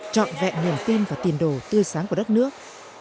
trọn vẹn nền tên và tiền đồ tươi sáng của đất nước